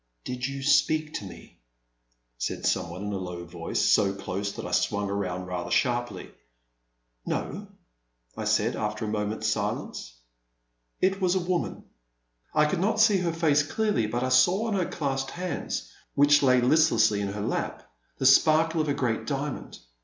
Did you speak to me ?" said some one in a low voice, so close that I swung around rather sharply. '' No/' I said after a moment's silence. SI 32 2 A Pleasant Evening. It was a woman. I could not see her face clearly, but I saw on her clasped hands, which lay list lessly in her lap, the sparkle of a great diamond.